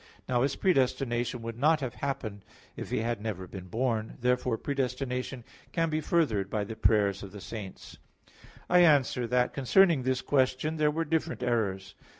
Now his predestination would not have happened if he had never been born. Therefore predestination can be furthered by the prayers of the saints. I answer that, Concerning this question, there were different errors.